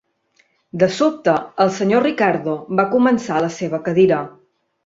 De sobte, el Sr. Ricardo va començar a la seva cadira.